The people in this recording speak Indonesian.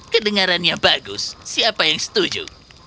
kedengarannya bagus siapa yang setuju